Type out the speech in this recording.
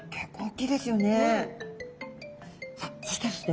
さあそしてですね